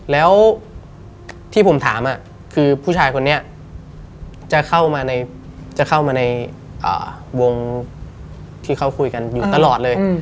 แล้วที่ผมถามคือผู้ชายคนนี้จะเข้ามาจะเข้ามาในวงที่เขาคุยกันอยู่ตลอดเลย